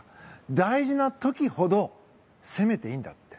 大事な時ほど攻めていいんだって。